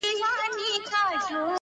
د جهان سترګي یې نه ویني ړندې دي -